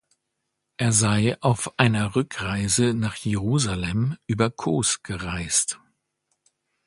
Er sei auf einer Rückreise nach Jerusalem über Kos gereist.